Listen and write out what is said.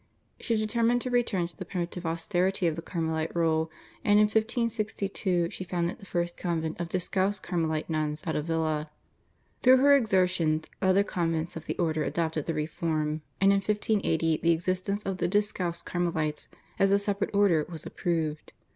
She determined to return to the primitive austerity of the Carmelite rule, and in 1562 she founded the first convent of Discalced Carmelite nuns at Avila. Through her exertions other convents of the order adopted the reform, and in 1580 the existence of the Discalced Carmelites as a separate order was approved.